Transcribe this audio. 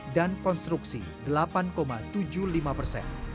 dan konstruksi delapan tujuh puluh lima persen